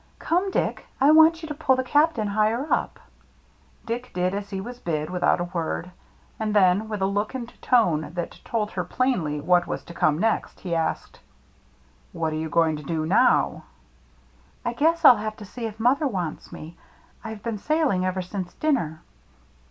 " Come, Dick, I want you to pull the Cap tain higher up." Dick did as he was bid, without a word. And then, with a look and tone that told her plainly what was to come next, he asked, " What are you going to do now ?"" I guess ril have to sec if mother wants me. IVc been sailing ever since dinner."